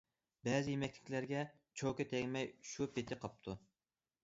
بەزى يېمەكلىكلەرگە چوكا تەگمەي شۇ پېتى قاپتۇ.